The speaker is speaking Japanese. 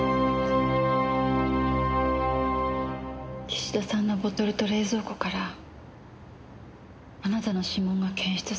岸田さんのボトルと冷蔵庫からあなたの指紋が検出されたの。